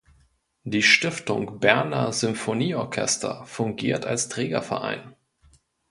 Die Stiftung Berner Symphonieorchester fungiert als Trägerverein.